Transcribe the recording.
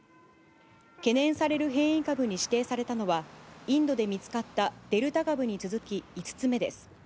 懸念される変異株に指定されたのは、インドで見つかったデルタ株に続き５つ目です。